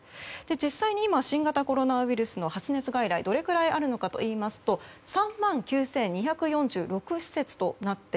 実際に今、新型コロナウイルスの発熱外来がどれくらいあるのかといいますと３万９２４６施設です。